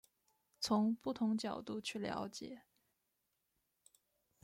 从不同角度去了解